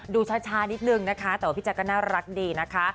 ดูช้านิดนึงนะคะแต่ว่าพี่แจ๊กก็น่ารักดีนะคะ